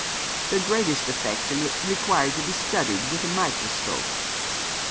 The greatest effects in it required to be studied with a microscope.